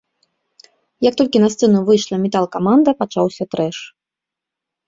Як толькі на сцэну выйшла метал-каманда пачаўся трэш!